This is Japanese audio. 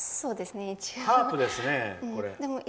ハープですね、これ。